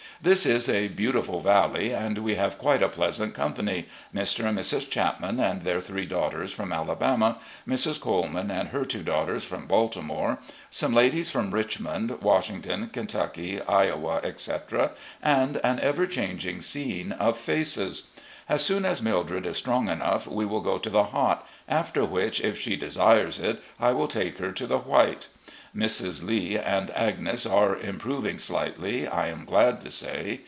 ... This is a beautiful valley, and we have quite a pleasant company — Mr. and Mrs. Chapman and their three daughters from Alabama; Mrs. Coleman and her two daughters from Baltimore; some ladies from Richmond, Washington, Kentucky, Iowa, etc., and an ever changing scene of faces. As soon as Mildred is strong enough, we will go to the Hot, after which, if she desires it, I will take her to the White. Mrs. Lee and Agnes are improving slightly, I am glad to say.